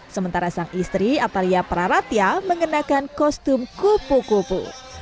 sementara sang istri atalia praratya mengenakan kostum kupu kupu